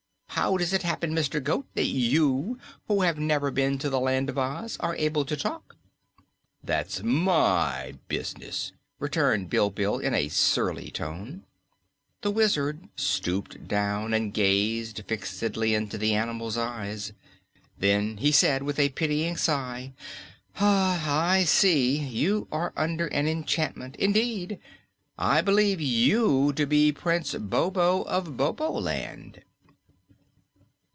"How does it happen, Mr. Goat, that you, who have never been to the Land of Oz, are able to talk?" "That's my business," returned Bilbil in a surly tone. The Wizard stooped down and gazed fixedly into the animal's eyes. Then he said, with a pitying sigh: "I see; you are under an enchantment. Indeed, I believe you to be Prince Bobo of Boboland."